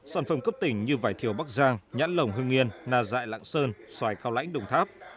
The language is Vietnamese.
sản phẩm cấp tỉnh như vải thiều bắc giang nhãn lồng hương nguyên nà dại lạng sơn xoài cao lãnh đồng tháp